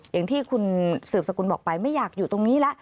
อย่างที่คุณสืบสกุลบอกไปไม่อยากอยู่ตรงนี้แล้ว